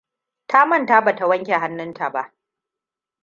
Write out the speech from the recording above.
Ta manta bata wanke hannun ta ba.